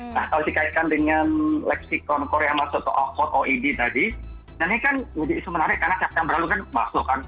nah kalau dikaitkan dengan leksikon korea masuk ke oed tadi dan ini kan jadi isu menarik karena siapa yang berlalu kan masuk kan